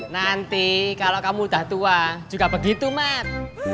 nanti kalau kamu sudah tua juga begitu mat